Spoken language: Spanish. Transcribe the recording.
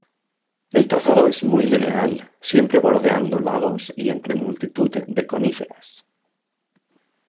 El trazado es muy lineal, siempre bordeando lagos y entre multitud de coníferas.